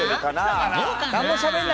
どうかな？